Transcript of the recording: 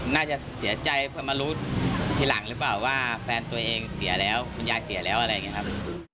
น่าจะเสียใจเพื่อมารู้ทีหลังหรือเปล่าว่าแฟนตัวเองเสียแล้วคุณยายเสียแล้วอะไรอย่างนี้ครับ